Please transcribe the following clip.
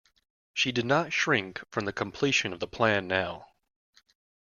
She did not shrink from the completion of the plan now.